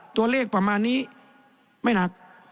ตัวเลขประมาณนี้ไม่หนัก